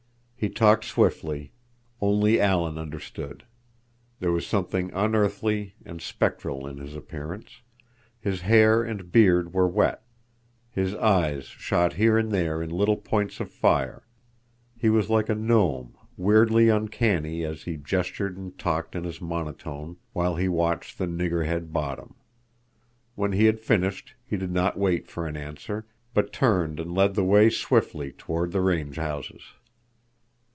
He talked swiftly. Only Alan understood. There was something unearthly and spectral in his appearance; his hair and beard were wet; his eyes shot here and there in little points of fire; he was like a gnome, weirdly uncanny as he gestured and talked in his monotone while he watched the nigger head bottom. When he had finished, he did not wait for an answer, but turned and led the way swiftly toward the range houses.